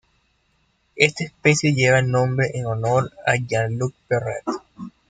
Esta especie lleva el nombre en honor a Jean-Luc Perret.